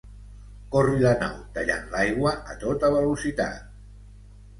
Corri la nau tallant l'aigua a tota velocitat.